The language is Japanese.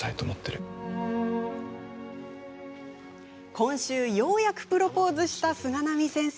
今週、ようやくプロポーズした菅波先生。